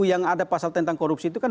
yang ada pasal tentang korupsi itu kan